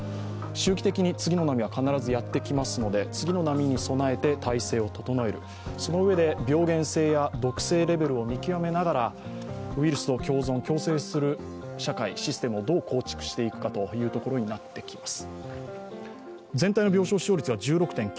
周期的に次の波は必ずやってきますので次の波に備えて体制を整える、そのうえで病原性や毒性レベルを見極めながらウイルスと共存・共生する社会、システムをどう構築していくかということになっていきます。